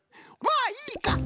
まあいいか。